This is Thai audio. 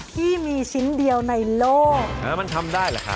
ที่มีชิ้นเดียวในโลก